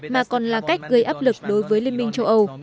mà còn là cách gây áp lực đối với liên minh châu âu